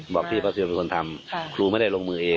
บอกพี่พระเซียนเป็นคนทำครูไม่ได้ลงมือเอง